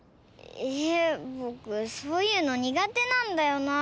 えっぼくそういうのにがてなんだよな。